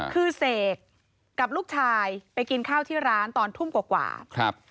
คือเสกกับลูกชายไปกินข้าวที่ร้านตอนทุ่มกว่าครับ